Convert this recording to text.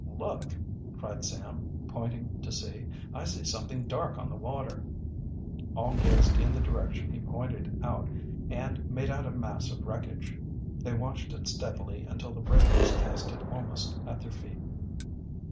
"Look!" cried Sam, pointing to sea. "I see something dark on the water." All gazed in the direction he pointed out and made out a mass of wreckage. They watched it steadily until the breakers cast it almost at their feet.